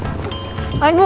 oke aku nunggu